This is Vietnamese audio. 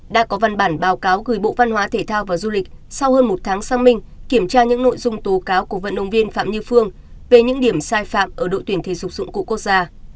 đã có văn bản báo cáo gửi bộ văn hóa thể thao và du lịch sau hơn một tháng xác minh kiểm tra những nội dung tố cáo của vận động viên phạm như phương về những điểm sai phạm ở đội tuyển thể dục dụng cụ quốc gia